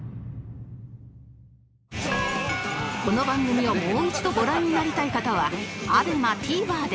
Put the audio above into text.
この番組をもう一度ご覧になりたい方は ＡＢＥＭＡＴＶｅｒ で